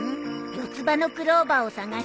四つ葉のクローバーを探してるの。